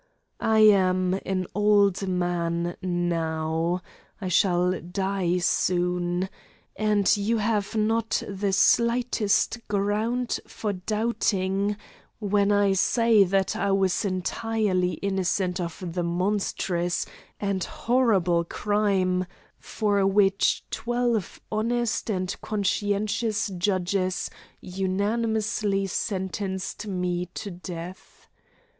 I am an old man now; I shall die soon, and you have not the slightest ground for doubting when I say that I was entirely innocent of the monstrous and horrible crime, for which twelve honest and conscientious judges unanimously sentenced me to death.